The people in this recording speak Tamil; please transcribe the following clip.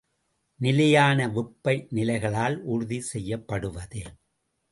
நிலையான வெப்பநிலைகளால் உறுதி செய்யப்படுவது.